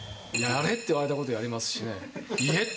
やれって言われたことやりますしね。